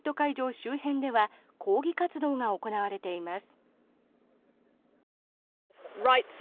周辺では抗議活動が行われています。